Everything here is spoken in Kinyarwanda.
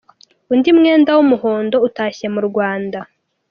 Undi mwenda w’umuhondo utashye mu Rwanda.